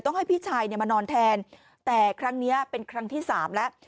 ให้พี่ชายเนี่ยมานอนแทนแต่ครั้งนี้เป็นครั้งที่สามแล้ว